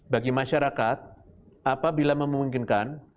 bagi masyarakat apabila memungkinkan